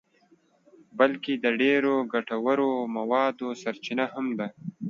بلکه د ډېرو ګټورو موادو سرچینه هم ده.